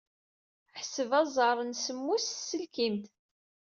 Ḥseb aẓar n semmus s tselkimt.